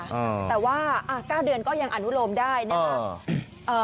นับเป็นสัปดาห์แต่ว่า๙เดือนก็ยังอณุโลมได้นะคะ